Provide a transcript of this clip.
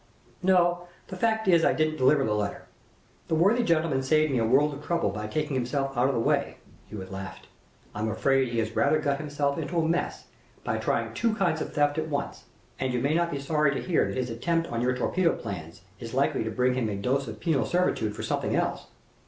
"No; the fact is I didn't deliver the letter. The worthy gentleman saved me a world of trouble by taking himself out of the way." Hewitt laughed. "I'm afraid he has rather got himself into a mess by trying two kinds of theft at once, and you may not be sorry to hear that his attempt on your torpedo plans is likely to bring him a dose of penal servitude for something else.